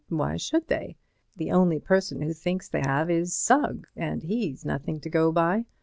Why should they? The only person who thinks they have is Sugg, and he's nothing to go by.